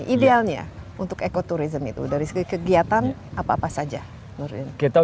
idealnya untuk ekoturisme itu dari segi kegiatan apa apa saja menurut anda